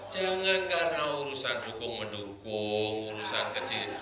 jangan karena urusan dukung mendukung urusan kecil